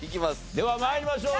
では参りましょう。